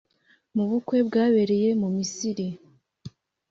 mu bukwe bwabereye mu Misiri